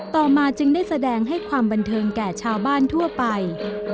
ต่อมาจึงได้แสดงให้ความบันเทิงแก่ชาวบ้านทั่วไป